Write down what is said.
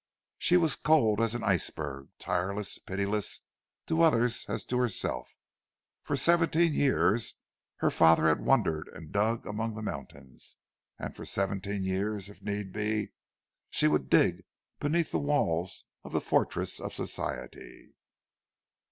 She was cold as an iceberg, tireless, pitiless to others as to herself; for seventeen years her father had wandered and dug among the mountains; and for seventeen years, if need be, she would dig beneath the walls of the fortress of Society!